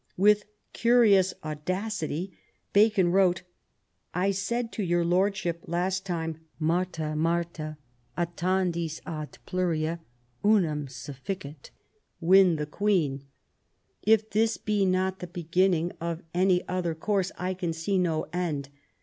With curious audacity Bacon wrote :" I said to your Lordship last time, ' Martha, Martha, attendis ad pluria, unum sufficit,' win the Queen. If this be not the beginning, of any other course I can see no end.